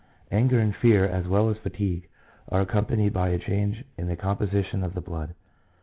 Anger and fear, as well as fatigue, are accompanied by a change in the composition of the blood.